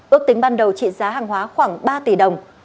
ước tính ban đầu trị giá hàng hóa khoảng ba tỷ đồng